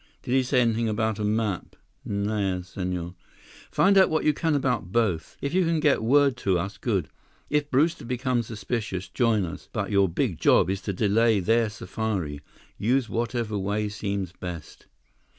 "Did he say anything about a map?" "Nao, Senhor." "Find out what you can about both. If you can get word to us, good. If Brewster becomes suspicious, join us. But your big job is to delay their safari. Use whatever way seems best."